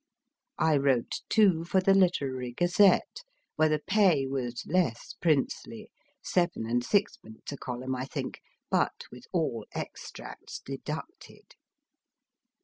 I wrote, too, for the Literary Gazette, where the pay was less princely seven and sixpence a column, I think, but with all extracts deducted